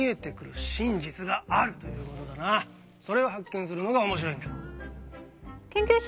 それを発見するのが面白いんだ。